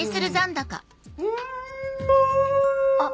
あっ。